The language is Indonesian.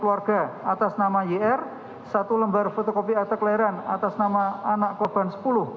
atas anak korban dua